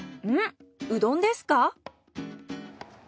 んっうどんですか？